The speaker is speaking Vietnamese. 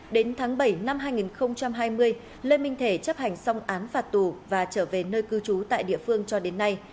đến tháng bảy năm hai nghìn hai mươi lê minh thể chấp hành xong án phạt tù và trở về nơi cư trú tại địa phương cho đến nay